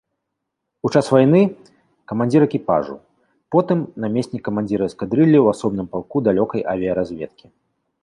У час вайны камандзір экіпажу, потым намеснік камандзіра эскадрыллі ў асобным палку далёкай авіяразведкі.